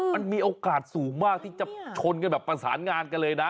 มันมีโอกาสสูงมากที่จะชนกันแบบประสานงานกันเลยนะ